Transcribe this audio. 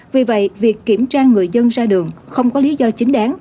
vì vậy việc kiểm tra người dân ra đường không có lý do chính đáng